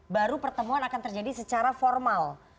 baru pertemuan akan terjadi secara formal